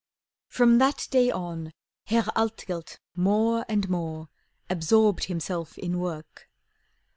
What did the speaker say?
From that day on, Herr Altgelt, more and more, Absorbed himself in work.